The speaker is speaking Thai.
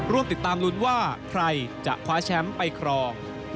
ร่วมติดตามลุ้นว่าใครจะคว้าแชมป์ไปครอง